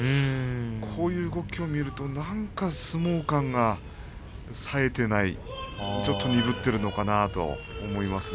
こういう動きを見るとなんか相撲勘がさえていないちょっと鈍っているのかなと思いますね。